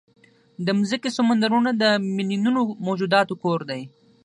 د مځکې سمندرونه د میلیونونو موجوداتو کور دی.